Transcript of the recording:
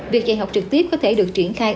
việc dạy học trực tiếp có thể được triển khai